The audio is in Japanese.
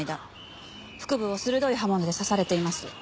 腹部を鋭い刃物で刺されています。